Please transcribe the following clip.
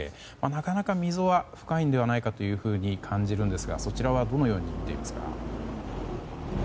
なかなか溝は深いのではないかと感じますがそちらはどうみていますか。